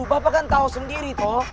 bapak kan tahu sendiri toh